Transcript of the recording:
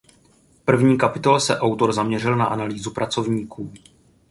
V první kapitole se autor zaměřil na analýzu pracovníků.